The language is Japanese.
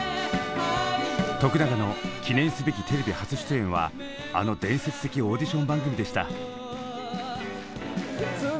永の記念すべきテレビ初出演はあの伝説的オーディション番組でした。